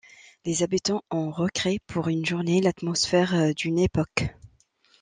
Les habitants ont recréé pour une journée l'atmosphère d'une époque.